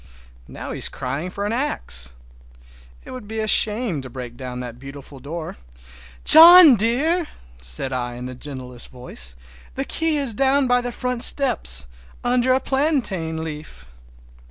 Now he's crying for an axe. It would be a shame to break down that beautiful door! "John dear!" said I in the gentlest voice, "the key is down by the front steps, under a plantain leaf!"